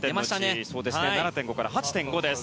７．５から８．５です。